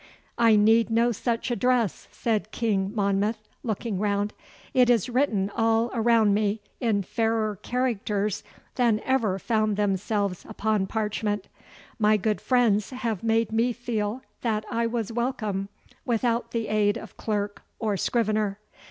'I need no such address,' said King Monmouth, looking round. 'It is written all around me in fairer characters than ever found themselves upon parchment. My good friends have made me feel that I was welcome without the aid of clerk or scrivener.